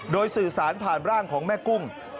โดยสื่อสารผ่านร่างของแม่กุ้ง